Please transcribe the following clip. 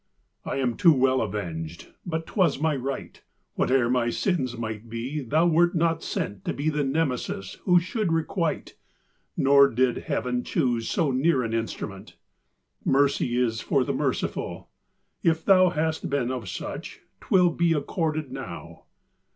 I am too well avenged! but 'twas my right; Whate'er my sins might be, thou wert not sent To be the Nemesis who should requite Nor did Heaven choose so near an instrument. Mercy is for the merciful! if thou Hast been of such, 'twill be accorded now.